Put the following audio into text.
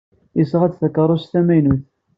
Yesɣa-d takeṛṛust tamaynut.